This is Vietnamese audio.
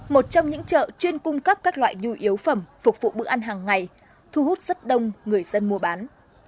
một trong những chợ chuyên cung cấp các loại nhu yếu phẩm phục vụ bữa ăn hàng ngày thu hút rất đông người dân mua bán